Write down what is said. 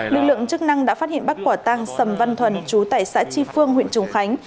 lực lượng chức năng đã phát hiện bác quả tang sầm văn thuần trú tại xã tri phương huyện trùng khánh